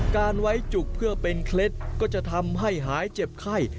การไว้จุกเพื่อเป็นเคล็ดก็จะทำให้หายเจ็บไข้